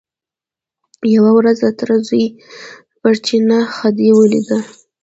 یوه ورځ د تره زوی پر چینه خدۍ ولیده.